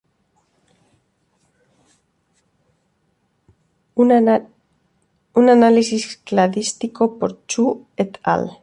Un análisis cladístico por Xu "et al.